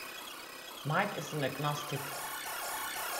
Mike is an agnostic.